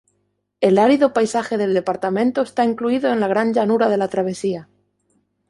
El árido paisaje del departamento está incluido en la Gran llanura de la Travesía.